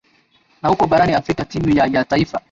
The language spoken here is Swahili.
na huko barani afrika timu ya ya taifa